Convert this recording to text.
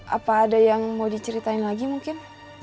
apa ada yang mau diceritain lagi mungkin